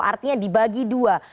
artinya dibagi dua